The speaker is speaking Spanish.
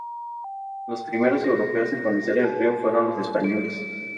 Los primeros europeos en conocer el río fueron los españoles.